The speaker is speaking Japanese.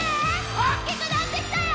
おっきくなってきたよ！